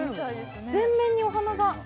全面にお花が。